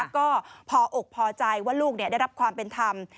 ก็พออกพอใจว่าลูกได้รับความเป็นธรรม